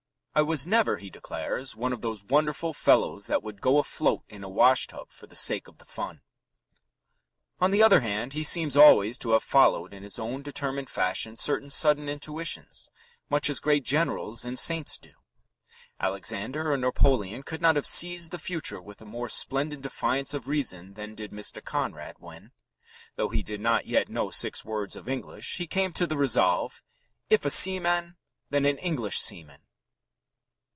"I was never," he declares, "one of those wonderful fellows that would go afloat in a washtub for the sake of the fun." On the other hand, he seems always to have followed in his own determined fashion certain sudden intuitions, much as great generals and saints do. Alexander or Napoleon could not have seized the future with a more splendid defiance of reason than did Mr. Conrad, when, though he did not yet know six words of English, he came to the resolve: "If a seaman, then an English seaman."